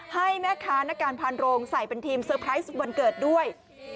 ให้แม่ค้านักการพานโรงใส่เป็นทีมเซอร์ไพรส์วันเกิดด้วย